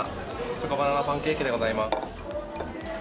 チョコバナナパンケーキでございます。